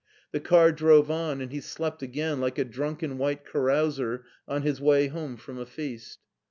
The car drove on, and he slept again like a drunken white carouser on his way home from a feast.